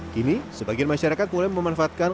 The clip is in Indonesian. kini sebagian masyarakat mulai memanfaatkan